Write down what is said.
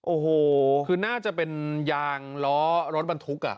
โอ้โหคือน่าจะเป็นยางล้อรถบรรทุกอ่ะ